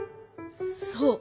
そう。